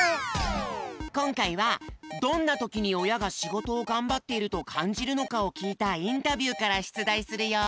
こんかいはどんなときにおやがしごとをがんばっているとかんじるのかをきいたインタビューからしゅつだいするよ。